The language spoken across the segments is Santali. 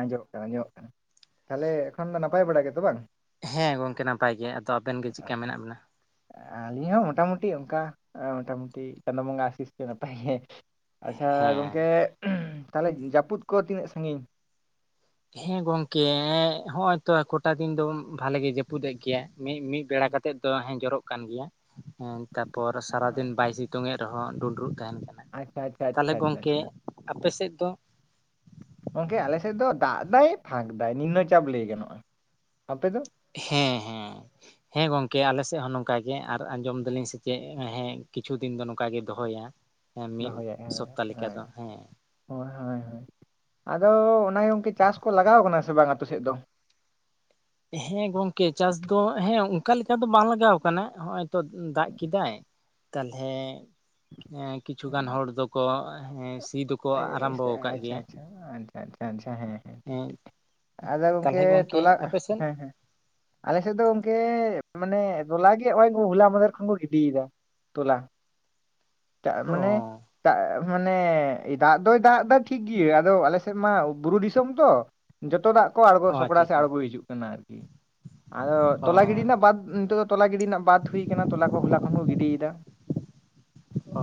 ᱟᱸᱡᱚᱢᱚᱜ ᱠᱟᱱᱟ ᱟᱸᱡᱚᱢᱚᱜ ᱠᱟᱱᱟ᱾ ᱛᱟᱞᱚᱦᱮ ᱮᱠᱷᱚᱱ ᱫᱚ ᱱᱟᱯᱟᱭ ᱵᱟᱲᱟ ᱜᱮᱛᱚ ᱵᱟᱝ? ᱦᱮᱸ ᱜᱚᱝᱠᱮ ᱱᱟᱯᱟᱭ ᱜᱮ ᱟᱫᱚ ᱟᱵᱮᱱ ᱜᱮ ᱪᱮᱫᱠᱟ ᱟᱪᱪᱷᱟ᱾ ᱢᱮᱱᱟᱜ ᱵᱮᱱᱟ? ᱟᱹᱞᱤᱧ ᱦᱚᱸ ᱢᱳᱴᱟᱢᱩᱴᱤ ᱚᱱᱠᱟ ᱢᱳᱴᱟᱢᱩᱴᱤ ᱪᱟᱸᱫᱳ ᱵᱚᱸᱜᱟ ᱟᱥᱤᱥ ᱱᱟᱯᱟᱭ ᱜᱮ᱾ ᱟᱪᱪᱷᱟ ᱦᱮᱸ ᱜᱚᱝᱠᱮ ᱛᱟᱦᱚᱞᱮ ᱡᱟᱹᱯᱩᱫ ᱠᱚ ᱛᱤᱱᱟᱹᱜ ᱥᱟᱺᱜᱤᱧ? ᱦᱮᱸ ᱜᱚᱝᱠᱮ ᱦᱚᱜᱼᱚᱭ ᱛᱚ ᱠᱚᱴᱟ ᱫᱤᱱ ᱫᱚ ᱵᱷᱟᱞᱮᱜ ᱜᱮ ᱡᱟᱹᱯᱩᱫ ᱜᱮᱭᱟ ᱢᱤᱫ ᱢᱤᱫ ᱵᱮᱲᱟ ᱠᱟᱛᱮᱫ᱾ ᱟᱛᱮᱫ ᱫᱚ ᱦᱮᱸ ᱡᱚᱨᱚᱜ ᱠᱟᱱ ᱜᱮᱭᱟ, ᱦᱮᱸ ᱛᱟᱯᱚᱨ ᱥᱟᱨᱟᱫᱤᱱ ᱵᱟᱭ ᱥᱤᱛᱩᱝ ᱮ ᱨᱮᱦᱚᱸ ᱰᱩᱸᱰᱨᱩᱜ ᱛᱟᱸᱦᱮᱱ ᱠᱟᱱᱟ᱾ ᱟᱪᱪᱷᱟ ᱟᱪᱪᱷᱟ ᱛᱟᱦᱚᱞᱮ ᱟᱪᱪᱷᱟ ᱟᱪᱪᱷᱟ ᱜᱚᱝᱠᱮ ᱟᱪᱪᱷᱟ ᱟᱯᱮ ᱥᱮᱫ ᱫᱚ ᱜᱚᱢᱠᱮ ᱟᱞᱮᱥᱮᱫ ᱫᱚ ᱫᱟᱜ ᱮᱟᱭ ᱯᱷᱟᱸᱠ ᱫᱟᱭ ᱱᱤᱱᱟᱹ ᱪᱟᱯ ᱞᱟᱹᱭ ᱜᱟᱱᱚᱜᱼᱟ, ᱟᱯᱮ ᱫᱚ? ᱦᱮᱸ ᱦᱮᱸ᱾ ᱦᱮᱸ ᱜᱚᱝᱠᱮ ᱟᱞᱮ ᱥᱮᱫ ᱦᱚᱸ ᱱᱚᱝᱠᱟ ᱜᱮ, ᱟᱨ ᱟᱸᱡᱚᱢ ᱫᱟᱞᱤᱧ ᱥᱮ ᱪᱮᱫ ᱦᱮᱸ ᱠᱤᱪᱷᱩ ᱫᱤᱱ ᱫᱚ ᱱᱚᱝᱠᱟᱜ ᱜᱮ ᱫᱚᱦᱚᱭᱟ᱾ ᱦᱮᱸ ᱢᱤᱫ ᱫᱚᱦᱚᱭᱟᱭ ᱦᱳᱭ ᱥᱚᱯᱛᱟ ᱞᱮᱠᱟ ᱫᱚ ᱦᱮᱸ ᱦᱳᱭ ᱦᱳᱭ ᱦᱳᱭ ᱟᱫᱚ ᱚᱱᱟ ᱜᱮ ᱜᱚᱝᱠᱮ ᱪᱟᱥ ᱠᱚ ᱞᱟᱜᱟᱣ ᱠᱟᱱᱟ ᱥᱮ ᱵᱟᱝ ᱟᱛᱳ ᱥᱮᱫ ᱫᱚ ᱦᱮᱸ ᱜᱚᱝᱠᱮ ᱪᱟᱥ ᱫᱚ ᱦᱮᱸ ᱚᱱᱠᱟ ᱞᱮᱠᱟ ᱫᱚ ᱵᱟᱝ ᱞᱟᱜᱟᱣ ᱠᱟᱱᱟ ᱱᱚᱜᱚᱭ ᱛᱚ ᱫᱟᱜ ᱠᱮᱫᱟᱭ ᱛᱟᱞᱚᱦᱮ ᱦᱮᱸ ᱠᱤᱪᱷᱩᱜᱟᱱ ᱦᱚᱲ ᱫᱚᱠᱚ ᱦᱮᱸ ᱥᱤ ᱫᱚᱠᱚ ᱟᱨᱟᱢᱵᱚ ᱟᱪᱪᱷᱟ ᱠᱟᱫ ᱟᱪᱪᱷᱟ ᱜᱮᱭᱟ ᱟᱪᱪᱷᱟ ᱟᱪᱪᱷᱟ ᱟᱪᱪᱷᱟ ᱟᱪᱪᱷᱟ ᱦᱮᱸᱻᱦᱮᱸ ᱴᱷᱤᱠ ᱦᱮᱸ ᱴᱷᱤᱠ ᱟᱫᱚ ᱜᱚᱝᱠᱮ ᱛᱟᱞᱦᱮ ᱛᱚᱞᱟ ᱟᱯᱮ ᱥᱮᱱ ᱦᱮᱸᱻᱦᱮᱸ ᱟᱞᱮ ᱥᱮᱫ ᱫᱚ ᱚᱱᱠᱮ ᱢᱟᱱᱮ ᱫᱚᱞᱟ ᱜᱮ ᱱᱚᱜ ᱚᱭ ᱦᱚᱞᱟ ᱢᱟᱫᱷᱮᱨ ᱠᱷᱚᱱ ᱠᱚ ᱜᱤᱰᱤᱭᱮᱫᱟ ᱛᱚᱞᱞᱟ ᱛᱟᱨ ᱚ ᱢᱟᱱᱮ ᱛᱟᱜ ᱢᱟᱱᱮ ᱫᱟᱜ ᱫᱚᱭ ᱫᱟᱜ ᱫᱟ ᱴᱷᱤᱠ ᱜᱤ ᱟᱫᱚ ᱟᱞᱮ ᱥᱮᱫ ᱢᱟ ᱵᱩᱨᱩ ᱫᱤᱥᱚᱢ ᱛᱚ ᱡᱚᱛᱚ ᱫᱟᱜ ᱠᱚ ᱟᱬᱜᱚ ᱚ ᱟᱪᱪᱷᱟ ᱥᱚᱯᱲᱟ ᱥᱮᱫ ᱟᱪᱪᱷᱟ ᱟᱬᱜᱚ ᱦᱤᱡᱩᱜ ᱠᱟᱱᱟ ᱟᱨᱠᱤ ᱟᱫᱚ ᱚ ᱛᱚᱞᱟ ᱜᱤᱰᱤ ᱨᱮᱱᱟᱜ ᱵᱟᱫ ᱱᱤᱛᱳᱜ ᱫᱚ ᱛᱚᱞᱟ ᱜᱤᱰᱤ ᱨᱮᱱᱟᱜ ᱵᱟᱫ ᱦᱩᱭ ᱠᱟᱱᱟ ᱛᱚᱞᱟ ᱠᱚ ᱦᱚᱞᱟ ᱠᱷᱚᱱ ᱠᱚ ᱜᱤᱰᱤᱭ ᱮᱫᱟ ᱚ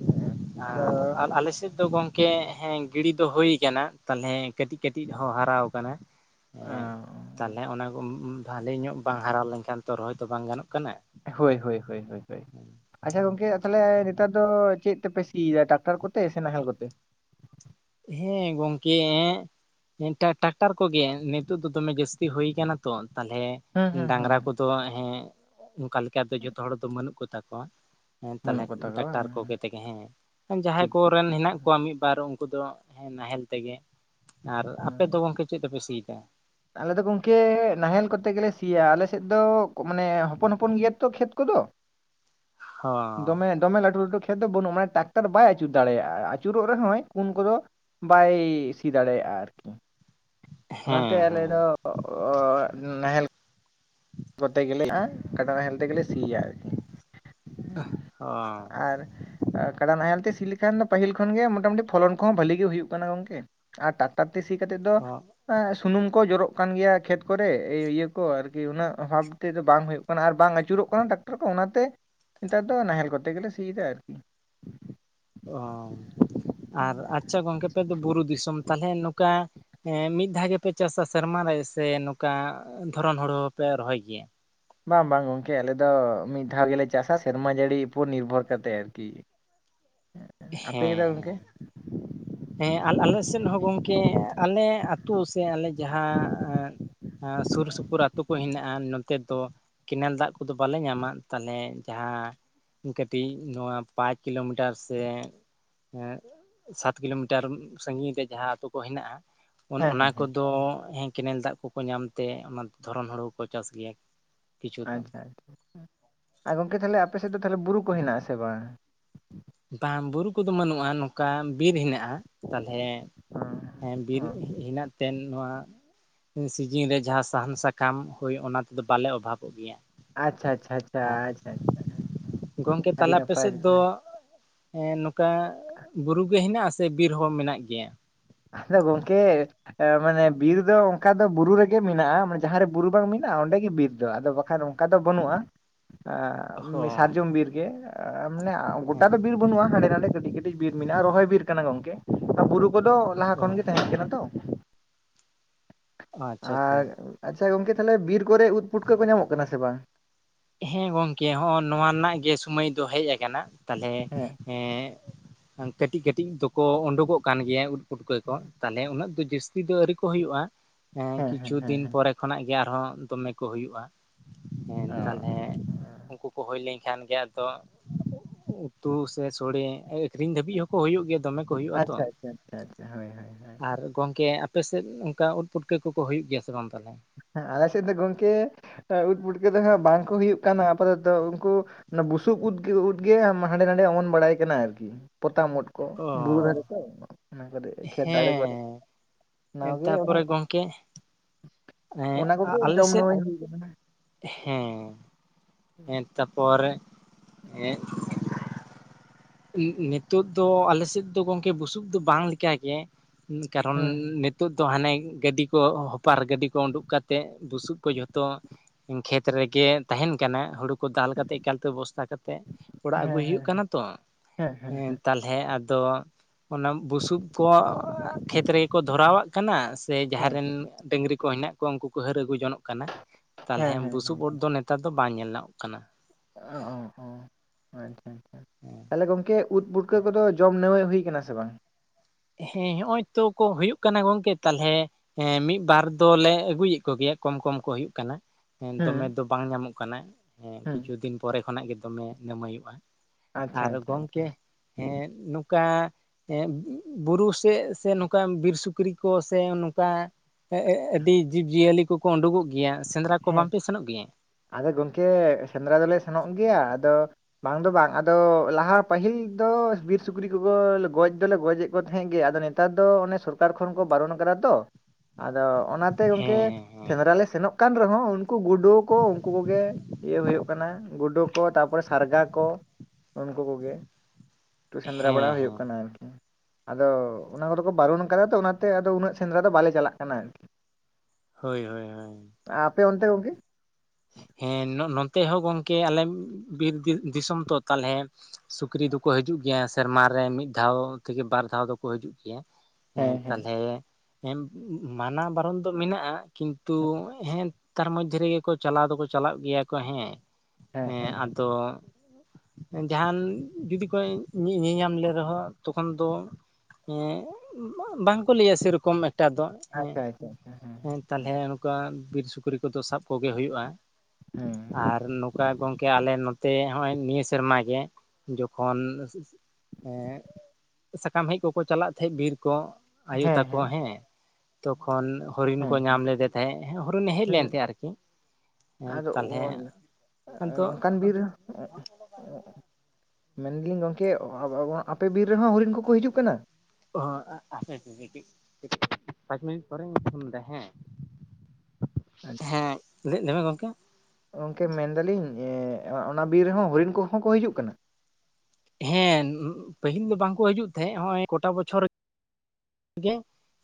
ᱦᱮᱸ, ᱟᱨ ᱟᱫᱚ ᱟᱨ ᱟᱞᱮ ᱥᱮᱫ ᱫᱚ ᱜᱚᱝᱠᱮ ᱠᱮᱸ ᱦᱮᱸᱜᱤᱲᱤ ᱫᱚ ᱦᱩᱭ ᱠᱟᱱᱟ ᱛᱟᱦᱚᱞᱮ ᱠᱟᱹᱴᱤᱡ ᱠᱟᱹᱴᱤᱡ ᱦᱚᱸ ᱦᱟᱨᱟᱣ ᱠᱟᱱᱟ ᱚ, ᱮᱸᱦᱮᱸ ᱛᱟᱞᱦᱮ ᱚᱱᱟ ᱩᱸᱻᱩᱸ ᱵᱷᱟᱞᱤ ᱧᱚᱜ ᱵᱟᱝ ᱦᱟᱨᱟ ᱞᱮᱱᱠᱷᱟᱱ ᱛᱳ ᱨᱚᱦᱚᱭ ᱫᱚ ᱵᱟᱝ ᱜᱟᱱᱚᱜ ᱠᱟᱱᱟ ᱦᱳᱭ ᱦᱳᱭ ᱦᱳᱭ ᱦᱳᱭ ᱳᱭ ᱟᱪᱪᱷᱟ ᱜᱚᱝᱠᱮ ᱛᱟᱦᱚᱞᱮ ᱱᱮᱛᱟᱨ ᱫᱚ ᱪᱮᱫ ᱛᱮ ᱯᱮ ᱥᱤᱭᱮᱫᱟ ᱴᱟᱠᱴᱟᱨ ᱠᱚᱛᱮ ᱥᱮ ᱱᱟᱦᱮᱞ ᱠᱚᱛᱮ ᱦᱮᱸ ᱜᱚᱢᱠᱮ ᱦᱮᱸᱻ ᱴᱨᱟᱠᱴᱟᱨ ᱠᱚ ᱜᱮ ᱱᱤᱛᱚᱜ ᱫᱚ ᱫᱚᱢᱮ ᱡᱟᱹᱥᱛᱤ ᱦᱩᱭ ᱠᱟᱱᱟ ᱛᱚ ᱛᱟᱦᱚᱞᱮ ᱦᱩᱸ ᱦᱩᱸ ᱦᱩᱸ ᱰᱟᱺᱝᱨᱟ ᱦᱩᱸ, ᱠᱚ ᱫᱚ ᱦᱮᱸ ᱚᱸᱱᱠᱟ ᱞᱮᱠᱟ ᱫᱚ ᱡᱚᱛᱚ ᱦᱚᱲ ᱫᱚ ᱵᱟᱹᱱᱩᱜ ᱠᱚᱛᱟ ᱠᱚᱣᱟ ᱦᱮᱸ ᱛᱟᱦᱚᱞᱮ ᱵᱟᱹᱱᱩᱜ ᱠᱚᱛᱟ ᱠᱚᱣᱟ ᱴᱟᱠᱴᱟᱨ ᱵᱟᱝ ᱦᱩᱸ, ᱠᱚᱜᱮ ᱛᱮᱜᱮ ᱦᱮᱸ ᱡᱟᱦᱟᱸ ᱴᱷᱤᱠ ᱴᱷᱤᱠ ᱠᱚᱨᱮᱱ ᱴᱷᱤᱠ ᱦᱮᱱᱟᱜ ᱠᱚᱣᱟ ᱢᱤᱫ ᱵᱟᱨ ᱩᱱ ᱩᱱᱠᱩ ᱫᱚ ᱦᱮᱸ ᱱᱟᱦᱮᱞ ᱛᱮᱜᱮ ᱟᱨ ᱟᱯᱮ ᱦᱩᱸ ᱫᱚ ᱜᱚᱢᱠᱮ ᱪᱮᱫ ᱛᱮ ᱯᱮ ᱥᱤ ᱫᱟ ᱟᱞᱮ ᱫᱚ ᱜᱚᱝᱠᱮ ᱱᱟᱦᱮᱞ ᱠᱚᱛᱮ ᱜᱮᱞᱮ ᱥᱤᱭᱟ ᱟᱞᱮ ᱥᱮᱫ ᱫᱚ ᱢᱟᱱᱮ ᱦᱚᱯᱚᱱ ᱦᱚᱯᱚᱱ ᱜᱮᱭᱟ ᱛᱚ ᱠᱷᱮᱛ ᱠᱚᱫᱚ ᱦᱚ ᱫᱚᱢᱮᱸ ᱫᱚᱢᱮ ᱞᱟᱹᱴᱩ ᱞᱟᱹᱴᱩ ᱠᱷᱮᱛ ᱫᱚ ᱵᱩᱱᱩᱜᱼᱟ ᱢᱟᱱᱮ ᱴᱨᱟᱠᱴᱟᱨ ᱵᱟᱭ ᱟᱪᱩᱨ ᱫᱟᱲᱮᱭᱟᱜᱼᱟ ᱟᱪᱩᱨᱚᱜ ᱨᱮᱦᱚᱸᱭ ᱠᱩᱱ ᱠᱚᱫᱚ ᱵᱟᱭ ᱥᱤ ᱫᱟᱲᱮᱭᱟᱜᱼᱟ ᱟᱨᱠᱤ ᱦᱮᱸ ᱛᱮ ᱦᱮᱸ ᱟᱞᱮ ᱫᱚ ᱳᱳ ᱱᱟᱦᱮᱞ ᱠᱚᱛᱮ ᱜᱮᱞᱮ ᱟᱸ ᱠᱟᱰᱟ ᱱᱟᱦᱮᱞ ᱛᱮ ᱜᱮᱞᱮ ᱥᱤᱭᱟ ᱟᱨᱠᱤ ᱚᱷ ᱦᱳ ᱟᱨ ᱠᱟᱰᱟ ᱱᱟᱦᱮᱞ ᱛᱮ ᱥᱤ ᱞᱮᱠᱷᱟᱱ ᱯᱟᱹᱦᱤᱞ ᱠᱷᱚᱱ ᱜᱮ ᱢᱚᱴᱟᱢᱩᱴᱤ ᱯᱷᱚᱞᱚᱱ ᱠᱚᱦᱚᱸ ᱵᱷᱟᱹᱞᱤ ᱜᱮ ᱦᱩᱭᱩᱜ ᱠᱟᱱᱟ ᱜᱚᱢᱠᱮ ᱟᱨ ᱴᱟᱠᱴᱟᱨ ᱛᱮ ᱥᱤ ᱠᱟᱛᱮᱫ ᱫᱚ ᱚ ᱟ ᱥᱩᱱᱩᱢ ᱠᱚ ᱡᱚᱨᱚᱜ ᱠᱟᱱ ᱜᱮᱭᱟ ᱠᱷᱮᱛ ᱠᱚᱨᱮ ᱤᱭᱟᱹ ᱠᱚ ᱟᱨᱠᱤ ᱩᱱᱟᱹᱜ ᱵᱷᱟᱵ ᱛᱮᱫᱚ ᱵᱟᱝ ᱦᱩᱭᱩᱜ ᱠᱟᱱᱟ ᱟᱨ ᱵᱟᱝ ᱟᱹᱪᱩᱨᱚᱜ ᱠᱟᱱᱟ ᱴᱟᱠᱴᱟᱨ ᱠᱚ ᱚᱱᱟᱛᱮ ᱱᱮᱛᱟᱨ ᱫᱚ ᱱᱟᱦᱮᱞ ᱠᱚᱛᱮ ᱜᱮ ᱞᱮ ᱥᱤᱭᱫᱟ ᱟᱨᱠᱤ ᱚᱷ ᱟᱨ ᱟᱪᱪᱷᱟ ᱜᱚᱝᱠᱮ ᱟᱯᱮ ᱫᱚ ᱵᱩᱨᱩ ᱫᱤᱥᱚᱢ ᱛᱟᱦᱚᱞᱮ ᱱᱚ ᱱᱚᱝᱠᱟ ᱢᱤᱫ ᱫᱷᱟᱣ ᱜᱮ ᱯᱮ ᱪᱟᱥᱟ ᱥᱮᱨᱢᱟ ᱨᱮ ᱥᱮ ᱱᱚᱝᱠᱟ ᱫᱷᱚᱨᱚᱱ ᱦᱩᱲᱩ ᱦᱚᱯᱮ ᱨᱚᱦᱚᱭ ᱜᱮᱭᱟ ᱵᱟᱝᱻᱵᱟᱝ ᱜᱚᱢᱠᱮ ᱟᱞᱮ ᱫᱚ ᱢᱤᱫ ᱫᱷᱟᱣ ᱜᱮᱞᱮ ᱪᱟᱥᱟ ᱥᱮᱨᱢᱟ ᱡᱟᱹᱲᱤ ᱩᱯᱚᱨ ᱱᱤᱨᱵᱷᱚᱨ ᱠᱟᱛᱮ ᱟᱨᱠᱤ ᱦᱮᱸ [inaudible] ᱦᱮᱸ ᱦᱮᱸ ᱦᱮᱸ ᱟᱞᱮ ᱟ ᱟᱞᱮᱥᱮᱫ ᱦᱚᱸ ᱜᱚᱝᱠᱮ ᱟᱞᱮ ᱟᱹᱛᱩ ᱥᱮ ᱟᱞᱮ ᱡᱟᱦᱟᱸ ᱟᱸ ᱥᱩᱨ ᱥᱩᱯᱩᱨ ᱟᱹᱛᱩ ᱠᱚ ᱦᱮᱱᱟᱜᱼᱟ ᱱᱚᱛᱮ ᱫᱚ ᱠᱮᱱᱮᱞ ᱫᱟᱜ ᱠᱚᱫᱚ ᱵᱟᱞᱮ ᱧᱟᱢᱟ ᱛᱟᱦᱚᱞᱮ ᱡᱟᱦᱟᱸ ᱠᱟᱹᱴᱤᱡ ᱱᱚᱣᱟ ᱯᱟᱸᱪ ᱠᱤᱞᱳᱢᱤᱴᱟᱨ ᱥᱮᱜ ᱦᱮᱸᱜ ᱥᱟᱛ ᱠᱤᱞᱳᱢᱤᱴᱟᱨ ᱥᱟᱺᱜᱤᱧ ᱨᱮ ᱡᱟᱦᱟᱸ ᱟᱛᱳ ᱠᱚ ᱦᱮᱱᱟᱜᱼᱟ ᱳᱻᱱ ᱦᱮᱸ ᱚᱱᱟ ᱦᱮᱸ ᱦᱮᱸ ᱠᱚᱫᱚ ᱦᱮ ᱠᱮᱱᱮᱞ ᱫᱟᱜ ᱠᱚᱠᱚ ᱧᱟᱢ ᱛᱮ ᱚᱱᱟ ᱫᱷᱚᱨᱚᱱ ᱦᱩᱲᱩ ᱠᱚ ᱪᱟᱥ ᱜᱮᱭᱟ ᱠᱤᱪᱷᱩ ᱫᱚ ᱟᱪᱪᱷᱟ ᱟᱪᱪᱷᱟ ᱟᱨ ᱜᱚᱝᱠᱮ ᱛᱟᱦᱚᱞᱮ ᱟᱯᱮ ᱥᱮᱫ ᱫᱚ ᱛᱟᱦᱚᱞᱮ ᱵᱩᱨᱩ ᱠᱚ ᱦᱮᱱᱟᱜ ᱟᱥᱮ ᱵᱟᱝ? ᱵᱟᱝ ᱵᱩᱨᱩ ᱠᱚᱫᱚ ᱵᱟᱹᱱᱩᱜᱼᱟ ᱱᱚᱝᱠᱟ ᱵᱤᱨ ᱦᱮᱱᱟᱜᱼ ᱼᱟ ᱛᱟᱦᱚᱞᱮ ᱦᱮᱸ ᱵᱤᱨ ᱚ ᱦᱮᱱᱟᱜ ᱛᱮᱱ ᱱᱚᱣᱟ ᱥᱤᱡᱤᱱ ᱨᱮ ᱡᱟᱦᱟᱸ ᱥᱟᱦᱟᱱ ᱥᱟᱠᱟᱢ ᱦᱳᱭ ᱚᱱᱟ ᱛᱮᱫᱚ ᱵᱟᱞᱮ ᱚᱵᱷᱟᱵᱚᱜ ᱜᱮᱭᱟ ᱟᱪᱪᱷᱟ ᱟᱪᱪᱷᱟ ᱟᱪᱪᱷᱟ ᱟᱜ ᱟᱪᱪᱷᱟ ᱜᱚᱝᱠᱮ ᱟᱹᱰᱤ ᱛᱟᱦᱞᱮ ᱟᱯᱮ ᱱᱟᱯᱟᱭ ᱥᱮᱫ ᱟᱹᱰᱤ ᱱᱟᱯᱟᱭ ᱫᱚ ᱦᱮᱸ ᱱᱚᱝᱠᱟ ᱵᱩᱨᱩ ᱜᱮ ᱦᱮᱱᱟᱜᱼᱟ ᱥᱮ ᱵᱤᱨ ᱦᱚᱸ ᱢᱮᱱᱟᱜ ᱜᱮᱭᱟ? ᱟᱫᱚ ᱜᱚᱢᱠᱮᱼ ᱢᱟᱱᱮ ᱵᱤᱨ ᱫᱚ ᱚᱱᱠᱟ ᱫᱚ ᱵᱩᱨᱩ ᱨᱮᱜᱮ ᱢᱮᱱᱟᱜᱼᱟ ᱢᱟᱱᱮ ᱡᱟᱦᱟᱸᱨᱮ ᱵᱩᱨᱩ ᱵᱟᱝ ᱢᱮᱱᱟᱜᱼᱟ ᱚᱸᱰᱮ ᱜᱮ ᱵᱤᱨ ᱫᱚ ᱟᱫᱚ ᱵᱟᱠᱷᱟᱱ [inaudible] ᱚᱱᱠᱟ ᱫᱚ ᱵᱟᱹᱱᱩᱜᱼᱟ ᱦᱚ ᱟᱫ ᱥᱟᱨᱡᱚᱢ ᱟ ᱵᱤᱨ ᱜᱮ ᱢᱟᱱᱮ ᱦᱮᱸ ᱜᱚᱴᱟ ᱫᱚ ᱵᱤᱨ ᱵᱟᱹᱱᱩᱜᱼᱟ ᱦᱟᱸᱰᱮ ᱱᱟᱰᱮ ᱠᱟᱹᱴᱤᱡ ᱠᱟᱹᱴᱤᱡ ᱵᱤᱨ ᱢᱮᱱᱟᱜᱼᱟ ᱨᱚᱦᱚᱭ ᱵᱤᱨ ᱠᱟᱱᱟ ᱜᱚᱝᱠᱮ ᱵᱩᱨᱩ ᱠᱚᱫᱚ ᱞᱟᱦᱟ ᱚ ᱠᱷᱚᱱ ᱜᱮ ᱛᱟᱦᱮᱸ ᱠᱟᱱᱟ ᱛᱚ ᱟᱪᱪᱷᱟ ᱟᱨ ᱟᱪᱪᱷᱟ ᱟᱪᱪᱷᱟ ᱜᱚᱝᱠᱮ ᱛᱟᱦᱚᱞᱮ ᱵᱤᱨ ᱠᱚᱨᱮ ᱩᱫ ᱯᱩᱴᱠᱟᱹ ᱠᱚ ᱧᱟᱢᱚᱜ ᱠᱟᱱᱟ ᱥᱮ ᱵᱟᱝ ᱦᱮᱸ ᱜᱚᱝᱠᱮ ᱦᱚᱸ ᱱᱚᱣᱟ ᱨᱮᱱᱟᱜ ᱜᱮ ᱥᱚᱢᱚᱭ ᱫᱚ ᱦᱮᱡ ᱟᱠᱟᱱᱟ ᱛᱟᱦᱚᱞᱮ ᱦᱮᱸ ᱦᱮᱸ ᱠᱟᱹᱴᱤᱡ ᱠᱟᱹᱴᱤᱡ ᱫᱚᱠᱚ ᱩᱰᱩᱠᱚᱜ ᱠᱟᱱ ᱜᱮᱭᱟ ᱯᱩᱴᱠᱟᱹ ᱠᱚ ᱛᱟᱞᱦᱮ ᱩᱱᱟᱹᱜ ᱫᱚ ᱡᱟᱹᱥᱛᱤ ᱫᱚ ᱟᱹᱣᱨᱤ ᱠᱚ ᱦᱩᱭᱩᱜᱼᱟ ᱦᱮᱸ ᱦᱮᱸ ᱠᱤᱪᱷᱩ ᱦᱮᱸ ᱫᱤᱱ ᱦᱮᱸ ᱯᱚᱨᱮ ᱠᱷᱚᱱᱟᱜ ᱜᱮ ᱟᱨᱦᱚᱸ ᱫᱚᱢᱮ ᱠᱚ ᱦᱩᱭᱩᱜᱼᱟ ᱮᱸ ᱚᱜ ᱦᱮᱜ ᱩᱱᱠᱩ ᱠᱚ ᱦᱩᱭ ᱞᱮᱧ ᱠᱷᱟᱱ ᱜᱮ ᱟᱫᱚ ᱩᱛᱩ ᱥᱮ ᱥᱳᱲᱮ ᱟᱹ ᱟᱹᱠᱷᱨᱤᱧ ᱫᱷᱟᱹᱵᱤᱡ ᱦᱚᱸᱠᱚ ᱦᱩᱭᱩᱜ ᱜᱮᱭᱟ ᱫᱚᱢᱮ ᱠᱚ ᱦᱩᱭᱩᱜᱼᱟ ᱛᱚ ᱟᱪᱪᱷᱟ ᱟᱪᱪᱷᱟ ᱟᱪᱪᱷᱟ ᱟᱪᱪᱷᱟ ᱦᱳᱭ ᱦᱳᱭ ᱦᱳᱭ ᱟᱨ ᱜᱚᱢᱠᱮ ᱟ ᱟᱯᱮᱥᱮᱫ ᱚᱱᱠᱟ ᱩᱫ ᱯᱩᱴᱠᱟᱹ ᱠᱚᱠᱚ ᱦᱩᱭᱩᱜ ᱜᱮᱭᱟ ᱥᱮ ᱵᱟᱝ ᱛᱟᱦᱚᱞᱮ ᱦᱮᱸ ᱟᱞᱮ ᱥᱮᱫ ᱫᱚ ᱜᱚᱝᱠᱮ ᱩᱫ ᱯᱩᱴᱠᱟᱹ ᱫᱚ ᱦᱟᱸᱜ ᱵᱟᱝᱠᱚ ᱦᱩᱭᱩᱜ ᱠᱟᱱᱟ ᱟᱯᱟᱫᱚᱛᱚ ᱩᱱᱠᱩ ᱚᱱᱟ ᱵᱩᱥᱩᱵ ᱩᱫ ᱩᱫ ᱜᱮ ᱦᱟᱸᱰᱮ ᱱᱟᱰᱮ ᱚᱢᱚᱱ ᱵᱟᱲᱟᱭ ᱠᱟᱱᱟ ᱟᱨᱠᱤ ᱯᱚᱛᱟᱢ ᱩᱫ ᱠᱚ ᱚ ᱵᱩᱨᱩ ᱨᱮᱫ ᱠᱷᱮᱛ ᱫᱟᱨᱮ ᱠᱚᱨᱮᱫ ᱠᱮ ᱚᱱᱟ ᱠᱚᱜᱮᱧ ᱡᱚᱢ ᱥᱮᱫ ᱱᱟᱹᱢᱟᱭ ᱦᱮᱸ ᱦᱮᱸ ᱛᱟᱯᱚᱨᱮ ᱮᱫ ᱱᱤᱛᱚᱜ ᱫᱚ ᱟᱞᱮ ᱥᱮᱫ ᱫᱚ ᱜᱚᱝᱠᱮ ᱵᱩᱥᱩᱵ ᱫᱚ ᱵᱟᱝ ᱞᱮᱠᱟ ᱜᱮ ᱠᱟᱨᱚᱱ ᱦᱮᱸ ᱱᱤᱛ ᱱᱤᱛᱚᱜ ᱫᱚ ᱦᱟᱱᱮ ᱜᱟᱹᱰᱤ ᱠᱚ ᱦᱚᱯᱟᱨ ᱜᱟᱹᱰᱤ ᱠᱚ ᱩᱰᱩᱠ ᱠᱟᱛᱮᱫ ᱵᱩᱥᱩᱵ ᱠᱚ ᱡᱷᱚᱛᱚ ᱠᱷᱮᱛ ᱨᱮᱜᱮ ᱛᱟᱦᱮᱱ ᱠᱟᱱᱟ ᱦᱩᱲᱩᱠ ᱠᱚ ᱫᱟᱞ ᱠᱟᱛᱮ ᱮᱠᱟᱞᱛᱮ ᱵᱚᱥᱛᱟ ᱠᱟᱛᱮᱫ ᱚᱲᱟᱜ ᱦᱮᱸ ᱟᱹᱜᱩᱭ ᱦᱩᱭᱩᱜ ᱦᱮᱸ ᱠᱟᱱᱟ ᱛᱚ ᱦᱮᱸ ᱦᱮᱸ ᱮᱱ ᱦᱮᱸ ᱛᱟᱞᱦᱮ ᱟᱫᱚ ᱚᱱᱟ ᱵᱩᱥᱩᱵ ᱠᱚ ᱠᱷᱮᱛ ᱨᱮᱜᱮ ᱠᱚ ᱫᱷᱚᱨᱟᱣᱟᱜ ᱠᱟᱱᱟ ᱥᱮ ᱡᱟᱦᱟᱸ ᱦᱮᱸ ᱨᱮᱱ ᱰᱟᱹᱝᱨᱤ ᱠᱚ ᱦᱮᱱᱟᱜ ᱠᱚᱝ ᱩᱱᱠᱩ ᱠᱚ ᱦᱟᱹᱨ ᱟᱹᱜᱩ ᱡᱚᱱᱚᱜ ᱠᱟᱱᱟ ᱛᱟᱞᱦᱮ ᱦᱮᱸ ᱦᱮᱸ ᱵᱩᱥᱩᱵ ᱦᱮᱸ ᱩᱫ ᱫᱚ ᱱᱮᱛᱟᱨ ᱫᱚ ᱵᱟᱝ ᱧᱮᱞ ᱧᱚᱜ ᱠᱟᱱᱟ [unintelligible] ᱛᱟᱦᱚᱞᱮ ᱜᱚᱝᱠᱮ ᱩᱫ ᱯᱩᱴᱠᱟᱹ ᱠᱚᱫᱚ ᱡᱚᱢ ᱱᱟᱹᱢᱟᱭ ᱦᱩᱭ ᱠᱟᱱᱟ ᱥᱮ ᱵᱟᱝ ᱦᱮᱸ ᱦᱚᱜᱼᱚᱭ ᱛᱚ ᱠᱚ ᱦᱩᱭᱩᱜ ᱠᱟᱱᱟ ᱜᱚᱝᱠᱮ ᱛᱟᱦᱚᱞᱮ ᱦᱮᱸ ᱢᱤᱫ ᱵᱟᱨ ᱫᱚᱞᱮ ᱟᱹᱜᱩᱭᱮᱫ ᱠᱚᱜᱮ ᱠᱚᱢ ᱠᱚᱢ ᱠᱚ ᱦᱩᱭᱩᱜ ᱠᱟᱱᱟ ᱦᱮᱸ ᱫᱚᱢᱮ ᱦᱩᱸ ᱫᱚ ᱵᱟᱝ ᱧᱟᱢᱚᱜ ᱠᱟᱱᱟ ᱮᱸ ᱦᱩᱸ ᱠᱤᱪᱷᱩ ᱫᱤᱱ ᱯᱚᱨᱮ ᱠᱷᱚᱱᱟᱜ ᱜᱮ ᱫᱚᱢᱮ ᱱᱟᱢᱟᱹᱭᱼᱟ ᱟᱪᱪᱷᱟ ᱟᱨ ᱟᱪᱪᱷᱟ ᱟᱪᱪᱷᱟ ᱜᱚᱝᱠᱮ ᱮᱫ ᱱᱚᱝᱠᱟ ᱮᱫ ᱵᱩᱨᱩ ᱥᱮᱫ ᱥᱮ ᱱᱚᱠᱟ ᱵᱤᱨ ᱥᱩᱠᱨᱤ ᱠᱚ ᱥᱮ ᱱᱚᱠᱟ ᱮ ᱮᱫ ᱟᱹᱰᱤ ᱡᱤᱵᱽᱡᱤᱭᱟᱹᱞᱤ ᱠᱚᱠᱚ ᱩᱰᱩᱠᱚᱜ ᱜᱮᱭᱟ ᱥᱮᱸᱫᱽᱨᱟ ᱠᱚ ᱦᱮᱸ ᱵᱟᱯᱮ ᱥᱮᱱᱚᱜ ᱜᱮᱭᱟ ᱟᱫᱚ ᱜᱚᱢᱠᱮ ᱥᱮᱸᱫᱽᱨᱟ ᱫᱚᱞᱮ ᱥᱮᱱᱚᱜ ᱜᱮᱭᱟ ᱟᱫᱚ ᱵᱟᱝ ᱫᱚ ᱵᱟᱝ ᱟᱫᱚ ᱞᱟᱦᱟ ᱯᱟᱹᱦᱤᱞ ᱫᱚ ᱵᱤᱨ ᱥᱩᱠᱨᱤ ᱠᱚᱜᱚ ᱜᱚᱡ ᱫᱚᱞᱮ ᱜᱚᱡᱮᱫ ᱠᱚ ᱛᱟᱦᱮᱸᱫ ᱜᱮ ᱟᱫᱚ [inaudible] ᱱᱮᱛᱟᱨ ᱫᱚ ᱚᱱᱮ ᱥᱚᱨᱠᱟᱨ ᱠᱷᱚᱱ ᱠᱚ ᱵᱟᱨᱚᱱ ᱟᱠᱟᱫᱟ ᱛᱚ ᱟᱫᱚ ᱚᱱᱟ ᱛᱮ ᱜᱚᱝᱠᱮ ᱦᱮᱸ ᱦᱮᱸ ᱥᱮᱸᱫᱽᱨᱟ ᱞᱮ ᱥᱮᱱᱚᱜ ᱠᱟᱱ ᱨᱮᱦᱚᱸ ᱩᱱᱠᱩ ᱜᱩᱰᱩ ᱠᱚ ᱩᱱᱠᱩ ᱠᱚᱜᱮ ᱤᱭᱟᱹ ᱦᱩᱭᱩᱜ ᱠᱟᱱᱟ ᱜᱩᱰᱩ ᱠᱚ ᱛᱟᱨᱯᱚᱨᱮ ᱥᱟᱨᱜᱟ ᱠᱚ ᱩᱱᱠᱩ ᱠᱚᱜᱮ ᱥᱮᱸᱫᱽᱨᱟ ᱵᱟᱲᱟ ᱦᱮᱸ ᱦᱩᱭᱩᱜ ᱦᱮᱸ ᱠᱟᱱᱟ ᱟᱨᱠᱤ ᱟᱫᱚ ᱚᱱᱟ ᱠᱚᱫᱚ ᱠᱚ ᱵᱟᱨᱚᱱ ᱟᱠᱟᱫᱟ ᱛᱚ ᱚᱱᱟᱛᱮ ᱟᱫᱚ ᱩᱱᱟᱹᱜ ᱥᱮᱸᱫᱽᱨᱟ ᱫᱚ ᱵᱟᱞᱮ ᱪᱟᱞᱟᱜ ᱠᱟᱱᱟ ᱟᱨᱠᱤ ᱦᱳᱭ ᱦᱳᱭ ᱦᱳᱭ ᱟᱯᱮ ᱚᱱᱛᱮ ᱜᱚᱝᱠᱮ ᱦᱮᱸ ᱱᱚ ᱱᱚᱛᱮ ᱦᱚᱸ ᱜᱚᱢᱠᱮ ᱟᱞᱮ ᱵᱤᱨ ᱫᱤ ᱫᱤᱥᱚᱢ ᱛᱚ ᱛᱟᱦᱚᱞᱮ ᱥᱩᱠᱨᱤ ᱫᱚᱠᱚ ᱦᱤᱡᱩᱜ ᱜᱮᱭᱟ ᱥᱮᱨᱢᱟ ᱨᱮ ᱢᱤᱫ ᱫᱷᱟᱣ ᱛᱷᱮᱠᱮ ᱵᱟᱨ ᱫᱷᱟᱣ ᱫᱚ ᱠᱚ ᱦᱤᱡᱩᱜ ᱜᱮᱭᱟ ᱦᱮᱸ ᱮᱫ ᱦᱮᱸ ᱛᱟᱞᱦᱮ ᱮᱢ ᱢᱟᱱᱟ ᱵᱟᱨᱚᱱ ᱫᱚ ᱢᱮᱱᱟᱜᱼᱟ ᱠᱤᱱᱛᱩ ᱦᱮᱸ ᱛᱟᱨ ᱢᱚᱫᱽᱫᱷᱮ ᱨᱮᱜᱮ ᱠᱚ ᱪᱟᱞᱟᱣ ᱫᱚᱠᱚ ᱪᱟᱞᱟᱜ ᱜᱮᱭᱟ ᱠᱚ ᱦᱮᱸ ᱦᱮᱸ ᱟᱫᱚ ᱡᱟᱦᱟᱱ ᱡᱩᱫᱤ ᱠᱚ ᱧᱤ ᱧᱟᱢ ᱞᱮ ᱨᱮᱦᱚᱸ ᱛᱚᱠᱷᱚᱱ ᱫᱚ ᱮᱸ ᱵᱟ ᱵᱟᱝ ᱠᱚ ᱞᱟᱹᱭᱟ ᱥᱮ ᱨᱚᱠᱚᱢ ᱢᱮᱜᱴᱟ ᱫᱚ᱾ ᱦᱮᱸ ᱟᱪᱪᱷᱟ ᱟᱪᱷᱟ ᱦᱮᱸ᱾ ᱛᱟᱞᱦᱮ ᱱᱚᱝᱠᱟ ᱵᱤᱨ ᱥᱩᱠᱨᱤ ᱠᱚᱫᱚ ᱥᱟᱵᱼᱼ ᱜᱮ ᱦᱩᱭᱩᱜ-ᱟ ᱦᱮᱸ ᱟᱨ ᱱᱚᱝᱠᱟ ᱜᱚᱝᱠᱮ ᱟᱞᱮ ᱱᱚᱛᱮ ᱦᱚᱸᱜ-ᱚᱭ ᱱᱤᱭᱟᱹᱥᱼᱼ ᱥᱮᱨᱢᱟ ᱜᱮ ᱡᱚᱠᱷᱚᱱ ᱱᱟᱥᱤ‌ ᱱᱟᱥᱮ ᱮᱸᱜᱼᱼ ᱥᱟᱠᱟᱢ ᱦᱮᱡ ᱠᱚᱠᱚ ᱪᱟᱞᱟᱜ ᱛᱮᱦᱮᱸᱜ ᱵᱤᱨ ᱠᱚ ᱟᱭᱳ ᱛᱟᱠᱚ ᱦᱮᱸ ᱛᱚᱠᱷᱚᱱᱼᱼ ᱦᱚᱨᱤᱱ ᱦᱮᱸ ᱠᱚ ᱧᱟᱢ ᱞᱮᱫᱮ ᱛᱟᱦᱮᱸᱜ ᱦᱚᱨᱤᱱᱮ ᱦᱮᱡ ᱞᱮᱱ ᱦᱮᱸ ᱛᱮᱦᱮᱸᱜ ᱟᱨᱠᱤ᱾ ᱦᱮᱸ ᱟᱫᱚ ᱛᱟᱦᱚᱞᱮ ᱚᱱ ᱟᱱ ᱱᱚᱝᱠᱟᱱ ᱵᱤᱨ ᱮ ᱚᱸ ᱚᱸᱜᱼᱼ ᱢᱮᱱ ᱫᱟᱹᱞᱤᱧ ᱜᱚᱝᱠᱮ ᱚᱸ ᱟᱣᱟᱸ ᱟᱯᱮ ᱵᱤᱨ ᱨᱮᱦᱚᱸ ᱦᱚᱨᱤᱱ ᱠᱚᱠᱚ ᱦᱤᱡᱩᱜ ᱠᱟᱱᱟ? ᱚ ᱦᱚ [unintelligible] ᱢᱤᱱᱤᱴ ᱯᱚᱨᱮ ᱯᱷᱱ ᱫᱟ ᱦᱮᱸ ᱦᱮᱸ ᱞᱟᱹ ᱞᱟᱹᱭ ᱢᱮ ᱜᱚᱝᱠᱮ? ᱜᱚᱝᱠᱮ ᱢᱮᱱ ᱫᱟᱹᱞᱤᱧ ᱮᱸ ᱚ ᱚᱱᱟ ᱵᱤᱨ ᱨᱮᱦᱚᱸ ᱦᱚᱨᱤᱱ ᱠᱚᱦᱚᱸ ᱠᱚ ᱦᱤᱡᱩᱜ ᱠᱟᱱᱟ? ᱦᱮᱸ ᱯᱟᱹᱦᱤᱞ ᱫᱚ ᱵᱟᱝ ᱠᱚ ᱦᱤᱡᱩᱜ ᱛᱮᱦᱮᱸᱜ ᱦᱚᱸᱜ-ᱚᱭ ᱠᱚᱴᱟ ᱵᱚᱪᱷᱚᱨᱼᱼ ᱜᱮ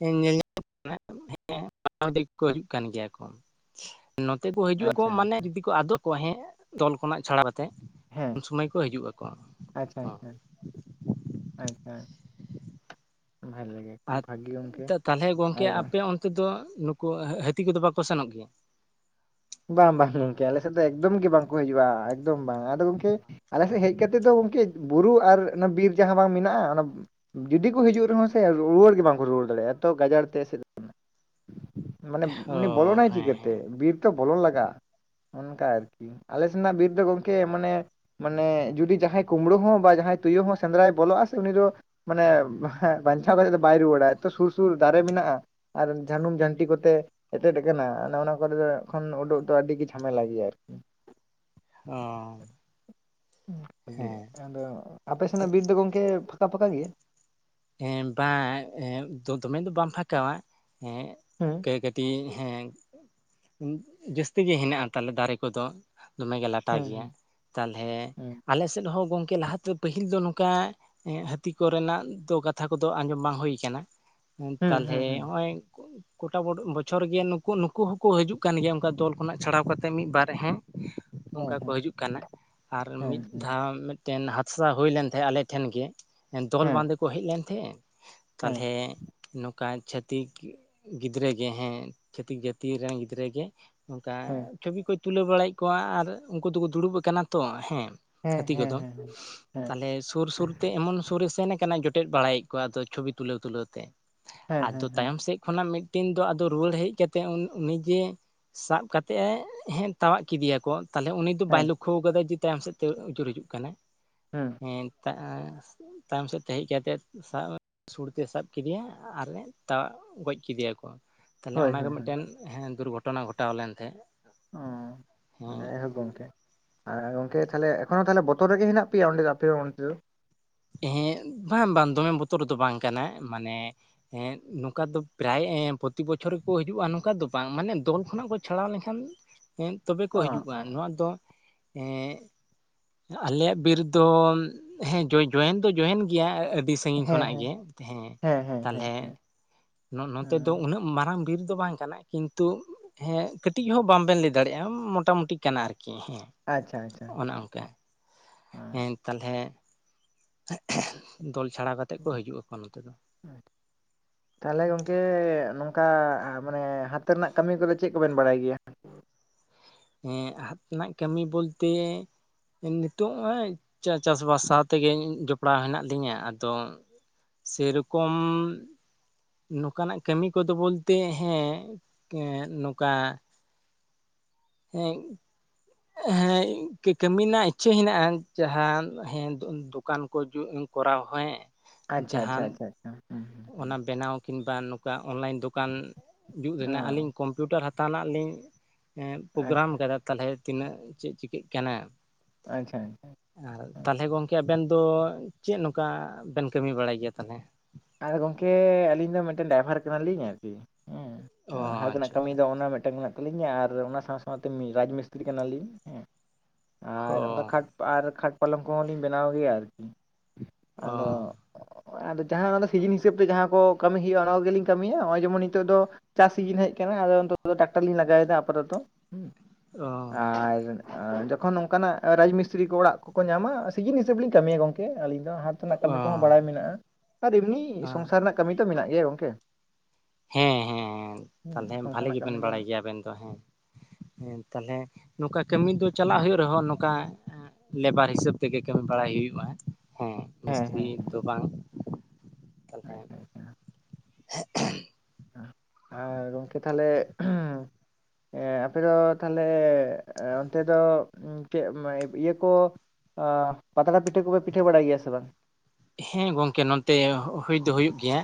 ᱧᱮ ᱧᱮᱞ [inaudible] ᱠᱟᱱᱟ, ᱩᱸ᱾ ᱦᱮᱸ [inaudible] ᱫᱮ ᱠᱚ ᱦᱤᱡᱩᱜ ᱠᱟᱱ ᱜᱮᱭᱟ ᱠᱚ᱾ ᱱᱚᱛᱮ ᱠᱚ ᱦᱤᱡᱩᱜ ᱟᱠᱚ ᱟᱪᱪᱷᱟ ᱢᱟᱱᱮ ᱟᱪᱪᱷᱟ ᱡᱩᱫᱤ ᱠᱚ ᱟᱫᱚᱜ ᱠᱚᱣᱟ ᱦᱮᱸ ᱫᱚᱞ ᱠᱷᱚᱱᱟᱜ ᱪᱷᱟᱲᱟ ᱠᱟᱛᱮᱜᱼᱼ ᱦᱮᱸ ᱩᱱ ᱥᱚᱢᱟᱹᱭ ᱠᱚ ᱦᱤᱡᱩᱜ ᱟᱹᱠᱚ᱾ ᱟᱪᱪᱷᱟ ᱟᱪᱪᱷᱟ ᱟᱪᱪᱷᱟ ᱵᱷᱟᱞᱮ ᱜᱮ ᱾ ᱟᱨ ᱛᱟ ᱛᱟᱦᱚᱞᱮ ᱜᱚᱝᱠᱮ ᱟᱯᱮ ᱚᱱᱛᱮ ᱫᱚ ᱱᱩᱠᱩ ᱦᱟᱹᱛᱤ ᱠᱚᱫᱚ ᱵᱟᱠᱚ ᱥᱮᱱᱚᱜ ᱜᱮᱭᱟ? ᱵᱟᱝ ᱵᱟᱝ ᱜᱚᱝᱠᱮ ᱟᱞᱮ ᱥᱮᱜ ᱫᱚ ᱮᱠᱫᱚᱢ ᱜᱮ ᱵᱟᱝ ᱠᱚ ᱦᱤᱡᱩᱜ-ᱟ ᱮᱠᱫᱚᱢ ᱵᱟᱝ ᱟᱫᱚ ᱜᱚᱝᱠᱮᱼᱼ ᱟᱞᱮ ᱥᱮᱡ ᱦᱮᱡ ᱠᱟᱛᱮᱜ ᱫᱚ ᱜᱚᱝᱠᱮᱡ ᱵᱩᱨᱩ ᱟᱨ ᱚᱱᱟ ᱵᱤᱨ ᱡᱟᱦᱟᱸ ᱵᱟᱝ ᱢᱤᱱᱟᱜ-ᱟ ᱚᱱᱟᱼᱼ ᱡᱩᱫᱤ ᱠᱚ ᱦᱤᱡᱩᱜ ᱨᱮᱦᱚᱸ ᱥᱮ ᱨᱩᱣᱟᱹᱲ ᱜᱮ ᱵᱟᱝ ᱠᱚ ᱨᱩᱣᱟᱹᱲ ᱫᱟᱲᱮᱭᱟᱜ-ᱟ ᱮᱛᱚ ᱜᱟᱡᱟᱲ ᱛᱮ ᱮᱥᱮᱫ ᱟᱠᱟᱱᱟ ᱢᱟᱱᱮ ᱚ ᱩᱱᱤ ᱵᱚᱞᱚᱱᱟᱭ ᱦᱮᱸ ᱪᱤᱠᱟᱹᱛᱮ ᱦᱮᱸ ᱵᱤᱨ ᱛᱚ ᱵᱚᱞᱚᱱ ᱞᱟᱜᱟᱜ-ᱟ ᱚᱱᱠᱟ ᱟᱨᱠᱤ᱾ ᱟᱞᱮ ᱥᱮᱱᱟᱜ ᱵᱤᱨ ᱫᱚ ᱜᱚᱝᱠᱮ ᱢᱟᱱᱮᱼᱼ ᱢᱟᱱᱮ ᱡᱩᱫᱤ ᱡᱟᱦᱟᱸᱭ ᱠᱳᱢᱵᱽᱲᱩ ᱦᱚᱸ ᱵᱟ ᱡᱟᱦᱟᱸᱭ ᱛᱩᱭᱩ ᱦᱚᱸ ᱥᱮᱸᱫᱽᱨᱟᱭ ᱵᱚᱞᱚᱜ-ᱟ ᱥᱮ ᱩᱱᱤ ᱫᱚᱼᱼ ᱢᱟᱱᱮᱸ ᱚ ᱦᱮᱸ ᱵᱟᱧᱪᱟᱣ ᱠᱟᱛᱮᱜ ᱫᱚ ᱵᱟᱭ ᱨᱩᱣᱟᱹᱲᱟ ᱮᱛᱚ ᱥᱩᱨ ᱥᱩᱨ ᱫᱟᱨᱮ ᱢᱤᱱᱟᱜ-ᱟ᱾ ᱟᱨ ᱡᱷᱟᱱᱩᱢ ᱡᱷᱟᱱᱴᱤ ᱠᱚᱛᱮ ᱮᱴᱮᱫ ᱟᱠᱟᱱᱟ ᱚᱱᱮ ᱚᱱᱟ ᱠᱚᱨᱮ ᱫᱚᱼᱼ ᱠᱷᱚᱱ ᱩᱰᱩᱜ ᱫᱚ ᱟᱹᱰᱤ ᱜᱮ ᱡᱷᱟᱢᱮᱞᱟ ᱜᱮᱭᱟ ᱟᱨᱠᱤ᱾ ᱚᱸ᱾ ᱱᱟ ᱜᱮ ᱟᱫᱚ ᱟᱯᱮ ᱥᱮᱱᱟᱜ ᱵᱤᱨ ᱫᱚ ᱜᱚᱝᱠᱮ ᱯᱷᱟᱠᱟ ᱯᱷᱟᱠᱟ ᱜᱮᱭᱟ? ᱮᱸ ᱵᱟᱝ ᱮᱸ ᱫᱚ ᱫᱚᱢᱮ ᱫᱚ ᱵᱟᱝ ᱯᱷᱟᱠᱟᱣᱟ ᱮᱸᱜᱼᱼ ᱮᱸᱼᱼ ᱮ ᱠᱟᱹᱴᱤᱡ ᱦᱮᱸ ᱡᱟᱹᱥᱛᱤ ᱜᱮ ᱦᱮᱱᱟᱜ-ᱟ ᱛᱟᱞᱮ ᱫᱟᱨᱮ ᱠᱚᱫᱚ᱾ ᱫᱚᱢᱮ ᱜᱮ ᱞᱟᱴᱟ ᱜᱮᱭᱟ ᱦᱩᱸ ᱛᱟᱞᱦᱮ ᱦᱩᱸ ᱟᱞᱮ ᱥᱮᱝ ᱦᱚᱸ ᱜᱚᱝᱠᱮ ᱞᱟᱦᱟ ᱛᱮᱼᱼ ᱯᱟᱹᱦᱤᱞ ᱫᱚ ᱱᱚᱝᱠᱟ ᱮᱸ ᱦᱟᱹᱛᱤ ᱠᱚᱨᱮ ᱱᱟᱜ ᱫᱚ ᱠᱟᱛᱷᱟ ᱠᱚᱫᱚ ᱟᱸᱡᱚᱢ ᱵᱟᱝ ᱦᱚᱭ ᱠᱟᱱᱟᱹ ᱾ ᱩᱸ ᱦᱩᱸ ᱛᱟᱞᱦᱮ ᱦᱩᱸ ᱦᱚᱸᱜᱼᱚᱭ ᱠᱚ ᱩᱱᱼᱼ ᱠᱚᱴᱟ ᱵᱚᱰ ᱵᱚᱪᱷᱚᱨ ᱜᱮ ᱱᱩᱠᱩ ᱱᱩᱠᱩ ᱦᱚᱸᱠᱚ ᱦᱤᱡᱩᱜ ᱠᱟᱱ ᱜᱮᱭᱟ ᱚᱱᱠᱟ ᱫᱚᱞ ᱠᱷᱚᱱᱟᱜ ᱪᱷᱟᱲᱟᱣ ᱠᱟᱛᱮᱜ ᱢᱤᱫ ᱵᱟᱨ ᱦᱮᱸ᱾ ᱚᱱᱠᱟ ᱠᱚ ᱦᱩᱸ ᱦᱟᱹᱡᱩᱜ ᱠᱟᱱᱟ ᱟᱨ ᱢᱤᱫ ᱦᱮᱸ ᱦᱮᱸ ᱫᱷᱟᱣ ᱢᱮᱫᱼᱼ ᱴᱮᱱ ᱦᱟᱫᱽᱥᱟ ᱦᱩᱭ ᱞᱮᱱ ᱛᱮᱦᱮᱸᱜ ᱟᱞᱮ ᱴᱷᱮᱱ ᱜᱮ ᱮᱸ ᱫᱚᱞ ᱵᱟᱝ ᱦᱮᱸ ᱫᱚ ᱠᱚ ᱦᱮᱡ ᱞᱮᱱ ᱛᱮᱦᱮᱸᱜ᱾ ᱦᱮᱸ ᱛᱟᱦᱚᱞᱮᱼᱼ ᱱᱚᱝᱠᱟ ᱪᱷᱟᱹᱛᱤᱠ ᱜᱤᱫᱽᱨᱟᱹ ᱜᱮ ᱦᱮᱸ ᱪᱷᱟᱹᱛᱤᱠ ᱡᱟᱹᱛᱤ ᱨᱮᱱ ᱜᱤᱫᱽᱨᱟᱹ ᱜᱮ᱾ ᱚᱱᱠᱟ ᱦᱮᱸ ᱪᱷᱚᱵᱤ ᱠᱚᱭ ᱛᱩᱞᱟᱹᱣ ᱵᱟᱲᱟᱭᱮᱜ ᱠᱚᱣᱟ ᱟᱨ ᱩᱱᱠᱩ ᱫᱩᱠᱩ ᱫᱩᱲᱩᱵ ᱟᱠᱟᱱᱟ ᱛᱚ ᱦᱮᱸ᱾ ᱦᱮᱸ ᱦᱮᱸ ᱦᱮᱸ ᱦᱮᱸ ᱦᱟᱹᱛᱤ ᱦᱮᱸ ᱦᱮᱸ ᱠᱚᱫᱚ ᱦᱮᱸ ᱦᱮᱸ ᱛᱟᱞᱦᱮ ᱥᱩᱨ ᱥᱩᱨ ᱛᱮ ᱮᱢᱚᱱ ᱥᱩᱨ ᱨᱮ ᱥᱮᱱ ᱟᱠᱟᱱᱟ ᱡᱚᱼᱼ ᱴᱮᱫ ᱵᱟᱲᱟᱭᱮᱜ ᱠᱚᱣᱟ ᱟᱫᱚ ᱪᱷᱩᱵᱤ ᱛᱩᱞᱟᱹᱣ ᱛᱩᱞᱟᱹᱣ ᱛᱮ ᱦᱮᱸ ᱟᱫᱚ ᱦᱮᱸ ᱦᱮᱸ ᱛᱟᱭᱚᱢ ᱥᱮᱜᱼᱼ ᱠᱷᱚᱱᱟᱜ ᱢᱤᱫᱴᱤᱱ ᱫᱚ ᱟᱫᱚ ᱨᱩᱣᱟᱹᱲ ᱦᱮᱡ ᱠᱟ ᱠᱟᱛᱮᱡ ‌ᱩᱱ ᱩᱱᱤ ᱡᱮᱼᱼ ᱥᱟᱵ ᱠᱟᱛᱮᱜ ᱮ ᱦᱮᱸ ᱛᱟᱣᱟᱜ ᱠᱤᱫᱤ ᱭᱟᱠᱚ ᱛᱟᱞᱦᱮ ᱩᱱᱤᱼᱼ ᱛᱚ ᱵᱟᱭ ᱦᱮᱸ ᱞᱩᱠᱷᱚᱣ ᱠᱟᱫᱟ ᱡᱮ ᱛᱟᱭᱚᱢ ᱥᱮᱫ ᱛᱮ ᱟᱹᱪᱩᱨ ᱦᱤᱡᱩᱜ ᱠᱟᱱᱟᱭ᱾ ᱦᱮᱸ᱾ ᱦᱮᱸ ᱛᱟᱸ ᱛᱟᱭᱚᱢ ᱥᱮᱫ ᱛᱮ ᱦᱮᱡ ᱠᱟᱛ ᱛᱮᱫ ᱥᱟᱵ ᱥᱩᱲ ᱛᱮ ᱥᱟᱵ ᱠᱤᱫᱤᱭᱟ ᱟᱨᱮ ᱛᱟᱣᱟᱜ ᱜᱚᱡ ᱠᱤᱫᱤ ᱭᱟᱠᱚ᱾ ᱛᱟᱞᱮ ᱦᱳᱭ ᱚᱱᱟᱜᱮ ᱦᱳᱭ ᱦᱳᱭ ᱢᱤᱫᱴᱱᱮ ᱫᱩᱨᱜᱷᱚᱴᱚᱱᱟ ᱜᱷᱚᱴᱟᱣ ᱞᱮᱱ ᱛᱟᱦᱮᱸ᱾ ᱚ ᱡᱟᱭᱦᱳ ᱜᱚᱝᱠᱮ᱾ ᱟᱨ ᱜᱚᱝᱠᱮ ᱛᱟᱦᱞᱮ ᱮᱠᱷᱚᱱ ᱦᱚᱸ ᱛᱟᱦᱞᱮ ᱵᱚᱛᱚᱨ ᱨᱮᱜᱮ ᱦᱮᱱᱟᱜ ᱯᱮᱭᱟ ᱚᱸᱰᱮ ᱫᱚ ᱟᱯᱮ ᱫᱚ ᱚᱸᱛᱮ ᱫᱚ? ᱦᱮᱸ ᱵᱟᱝ ᱵᱟᱝ ᱫᱚᱢᱮ ᱵᱚᱛᱚᱨ ᱨᱮᱫᱚ ᱵᱟᱝ ᱠᱟᱱᱟᱭ ᱢᱟᱱᱮ᱾ ᱦᱮᱸ ᱱᱚᱝᱠᱟ ᱫᱚ ᱯᱨᱟᱭ ᱯᱨᱚᱛᱤ ᱵᱚᱪᱷᱚᱨ ᱜᱮᱠᱚ ᱦᱤᱡᱩᱜᱼᱟ ᱱᱚᱝᱠᱟ ᱫᱚ ᱵᱟᱝ ᱢᱟᱱᱮ ᱫᱚᱞ ᱠᱷᱚᱱᱟᱜ ᱠᱚ᱾ ᱪᱷᱟᱲᱟᱣ ᱞᱮᱱᱠᱷᱟᱱ ᱮᱱ ᱛᱚᱵᱮ ᱠᱚ ᱚ ᱦᱤᱡᱩᱜᱼᱟ ᱚ ᱱᱚᱣᱟ ᱫᱚ ᱦᱮᱸ ᱟᱞᱮᱭᱟᱜ ᱵᱤᱨ ᱫᱚ ᱦᱮᱸ ᱡᱚᱭ ᱡᱚᱭᱮᱱ ᱫᱚ ᱡᱚᱭᱮᱱ ᱜᱮᱭᱟ ᱟᱹᱰᱤ ᱥᱟᱺᱜᱤᱧ ᱦᱮᱸ ᱠᱷᱚᱱᱟᱜ ᱦᱮᱸ ᱜᱮ ᱦᱮᱸ ᱦᱮᱸ ᱦᱮᱸ ᱛᱟᱞᱦᱮ᱾ ᱦᱮᱸ ᱱᱚ ᱱᱚᱛᱮ ᱫᱚ ᱦᱮᱸ ᱩᱱᱟᱹᱜ ᱢᱟᱨᱟᱝ ᱵᱤᱨ ᱫᱚ ᱵᱟᱝ ᱠᱟᱱᱟ ᱠᱤᱱᱛᱩ ᱦᱮᱸ ᱠᱟᱹᱴᱤᱡ ᱦᱚᱸ ᱵᱟᱝ ᱵᱮᱱ ᱞᱟᱹᱭ ᱫᱟᱲᱮᱭᱟᱜ-ᱟ ᱢᱚᱴᱟᱼᱢᱩᱴᱤ ᱠᱟᱱᱟ ᱟᱨᱠᱤ ᱦᱮᱸ᱾ ᱟᱪᱪᱷᱟ ᱟᱪᱪᱷᱟ ᱚᱱᱮ ᱚᱝᱠᱟᱸ ᱚ ᱦᱮᱸ ᱛᱟᱞᱦᱮ ᱫᱚᱞ ᱪᱷᱟᱲᱟᱣ ᱠᱟᱛᱮᱫ ᱠᱚ ᱦᱤᱡᱩᱜ ᱟᱠᱚ ᱱᱚᱛᱮ ᱫᱚ᱾ ᱛᱟᱦᱞᱮ ᱜᱚᱝᱠᱮ ᱱᱚᱝᱠᱟ ᱢᱟᱱᱮ ᱦᱟᱛᱮ ᱨᱮᱱᱟᱜ ᱠᱟᱹᱢᱤ ᱠᱚᱫᱚ ᱪᱮᱫ ᱠᱚᱵᱮᱱ ᱵᱟᱲᱟᱭ ᱜᱮᱭᱟ? [inaudible] ᱦᱮᱸ ᱦᱟᱛᱽ ᱨᱮᱱᱟᱜ ᱠᱟᱹᱢᱤ ᱵᱚᱞᱛᱮ ᱱᱤᱛᱚᱜ ᱪᱟᱥᱵᱟᱥ ᱥᱟᱶ ᱛᱮᱜᱮ ᱡᱚᱯᱲᱟᱣ ᱦᱮᱱᱟᱜ ᱞᱤᱧᱟᱹ ᱟᱫᱚ ᱥᱮᱨᱚᱠᱚᱢ ᱱᱚᱠᱟᱱᱟᱜ ᱠᱟᱹᱢᱤ ᱠᱚᱫᱚ ᱵᱚᱞᱛᱮ ᱦᱮᱸ ᱱᱚᱠᱟ᱾ ᱦᱮᱸ ᱦᱮᱸ ᱠᱟᱹᱢᱤ ᱨᱮᱱᱟᱜ ᱤᱪᱪᱷᱟᱹ ᱦᱮᱱᱟᱜᱼᱟ ᱡᱟᱦᱟᱸ ᱦᱮᱸ ᱫᱚᱠᱟᱱ ᱠᱚ ᱡᱩᱛ᱾ ᱠᱚᱨᱟᱣ ᱦᱚᱸᱭ ᱟᱪᱪᱷᱟ ᱟᱪᱪᱷᱟ ᱡᱟᱦᱟᱱ ᱟᱪᱪᱷᱟ ᱟᱪᱪᱷᱟ ᱚᱱᱟ ᱵᱮᱱᱟᱣ ᱠᱤᱱᱵᱟᱝ ᱱᱚᱠᱟ ᱚᱱᱞᱟᱭᱤᱱ ᱫᱚᱠᱟᱱ ᱡᱩᱛ ᱨᱮᱱᱟᱜ ᱟᱹᱞᱤᱧ ᱚ ᱠᱚᱢ ᱠᱚᱢᱯᱤᱭᱩᱴᱟᱨ ᱦᱟᱛᱟᱣ ᱨᱮᱱᱟᱜ ᱞᱤᱧ ᱟᱪᱪᱷᱟ ᱯᱨᱳᱜᱨᱟᱢ ᱟᱠᱟᱫᱟ ᱛᱟᱞᱦᱮ ᱛᱤᱱᱟᱹᱜ ᱪᱮᱫ ᱪᱤᱠᱟᱹᱜ ᱠᱟᱱᱟ᱾ ᱟᱪᱪᱷᱟ ᱟᱪᱷᱟ᱾ ᱟᱨ ᱛᱟᱞᱦᱮ ᱜᱚᱢᱠᱮ ᱟᱵᱮᱱ ᱫᱚ ᱪᱮᱫ ᱱᱚᱝᱠᱟ ᱵᱮᱱ ᱠᱟᱹᱢᱤ ᱵᱟᱲᱟᱭ ᱜᱮᱭᱟ ᱛᱟᱞᱦᱮ? ᱟᱨ ᱜᱚᱝᱠᱮ ᱟᱹᱞᱤᱧ ᱫᱚ ᱢᱤᱫᱴᱮᱱ ᱰᱟᱭᱵᱷᱟᱨ ᱠᱟᱱᱟᱞᱤᱧ ᱟᱨᱠᱤ ᱚ ᱦᱮᱸ᱾ ᱦᱟᱛ ᱨᱮᱱᱟᱜ ᱟᱪᱪᱷᱟ ᱠᱟᱹᱢᱤ ᱟᱪᱪᱷᱟ ᱫᱚ ᱚᱱᱟ ᱢᱤᱫᱴᱟᱝ ᱠᱟᱱᱟ᱾ ᱞᱤᱧᱟ ᱟᱨ ᱚᱱᱟ ᱥᱟᱶ ᱥᱟᱶᱛᱮ ᱢᱤᱛ ᱨᱟᱡᱽ ᱢᱤᱥᱛᱨᱤ ᱠᱟᱱᱟᱞᱤᱧ ᱦᱮᱸ ᱚ ᱟᱨ ᱚᱱᱠᱟ ᱠᱷᱟᱴ ᱟᱨ ᱠᱷᱟᱴ ᱯᱟᱞᱚᱝ ᱠᱚᱦᱚᱸ ᱞᱤᱧ ᱵᱮᱱᱟᱣ ᱜᱮᱭᱟ ᱟᱨᱠᱤ ᱚ ᱟᱫᱚ ᱟᱫᱚ ᱡᱟᱦᱟᱸ ᱚᱱᱟ ᱫᱚ ᱥᱤᱡᱤᱱ ᱦᱤᱥᱟᱹᱵ ᱛᱮ ᱡᱟᱦᱟᱸ ᱠᱚ ᱠᱟᱹᱢᱤ ᱦᱩᱭᱩᱜᱼᱟ ᱚᱱᱟ ᱠᱚᱜᱮᱞᱤᱧ ᱠᱟᱹᱢᱤᱭᱟ ᱦᱚᱜᱼᱚᱭ ᱡᱮᱢᱚᱱ ᱱᱤᱛᱚᱜ ᱫᱚ ᱪᱟᱥ ᱥᱤᱡᱤᱱ ᱦᱮᱡ ᱟᱠᱟᱱᱟ ᱟᱫᱚ ᱱᱤᱛᱚᱜ ᱫᱚ ᱴᱨᱟᱠᱴᱟᱨ ᱞᱤᱧ ᱞᱟᱜᱟᱣᱮᱫᱟ ᱟᱯᱟᱛᱚᱛᱚ ᱟᱨ ᱡᱚᱠᱷᱚᱱ ᱱᱚᱱᱠᱟᱱᱟᱜ ᱨᱟᱡᱽ ᱢᱤᱥᱛᱨᱤ ᱠᱚ ᱚᱲᱟᱜ ᱠᱚᱠᱚ ᱧᱟᱢᱟ ᱥᱤᱡᱤᱱ ᱦᱤᱥᱟᱹᱵᱽ ᱞᱤᱧ ᱠᱟᱹᱢᱤᱭᱟ ᱜᱚᱝᱠᱮ ᱟᱹᱞᱤᱧ ᱫᱚ ᱦᱟ᱾ ᱨᱮᱱᱟᱜ ᱚ ᱠᱟᱹᱢᱤ ᱠᱚᱦᱚᱸ ᱵᱟᱲᱟᱭ ᱢᱮᱱᱟᱜᱼᱟ ᱟᱨ ᱮᱢᱱᱤ ᱚ ᱥᱚᱝᱥᱟᱨ ᱨᱮᱱᱟᱜ ᱠᱟᱹᱢᱤ ᱛᱚ ᱢᱮᱱᱟᱜ ᱜᱮᱭᱟ ᱜᱚᱝᱠᱮ᱾ ᱦᱮᱸ ᱦᱮᱸ ᱦᱮᱸ ᱦᱩᱸ ᱛᱟᱞᱦᱮ ᱵᱷᱟᱞᱮ ᱚᱱᱠᱟᱱᱟᱜ ᱠᱟᱹᱢᱤ ᱜᱮᱵᱮᱱ ᱫᱚ ᱵᱟᱲᱟᱭ ᱜᱮᱭᱟ ᱟᱵᱮᱱ ᱫᱚ ᱦᱮᱸ᱾ [inaudible] ᱦᱮᱸ ᱛᱟᱦᱞᱮ ᱱᱚᱠᱟ ᱠᱟᱹᱢᱤ ᱫᱚ ᱪᱟᱞᱟᱜ ᱦᱩᱭᱩᱜ ᱨᱮᱦᱚᱸ ᱱᱚᱠᱟ ᱦᱮᱸ ᱞᱮᱵᱟᱨ ᱦᱤᱥᱟᱹᱵ ᱛᱮᱜᱮ ᱠᱟᱹᱢᱤ ᱵᱟᱲᱟᱭ ᱦᱩᱭᱩᱜᱼᱟ᱾ ᱦᱮᱸ ᱢᱤᱥᱛᱨᱤ ᱦᱮᱸ ᱦᱮᱸ ᱫᱚ ᱵᱟᱝ ᱛᱟᱞᱦᱮ ᱟᱪᱪᱷᱟ ᱟᱨ ᱜᱚᱝᱠᱮ ᱛᱟᱞᱦᱮ ᱦᱮᱸ ᱟᱯᱮ ᱫᱚ ᱛᱟᱞᱦᱮ ᱚᱱᱛᱮ ᱫᱚ ᱪᱮᱫ ᱤᱭᱟᱹ ᱠᱚ ᱟ ᱯᱟᱛᱲᱟ ᱯᱤᱴᱷᱟᱹ ᱠᱚᱯᱮ ᱯᱤᱴᱷᱟᱹ ᱵᱟᱲᱟᱭ ᱜᱮᱭᱟ ᱥᱮ ᱵᱟᱝ? ᱦᱮᱸ ᱜᱚᱝᱠᱮ ᱱᱚᱛᱮ ᱦᱩᱭ ᱫᱚ ᱦᱩᱭᱩᱜ ᱜᱮᱭᱟ᱾